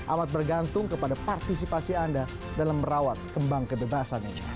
amat bergantung kepada partisipasi anda dalam merawat kembang kebebasan ini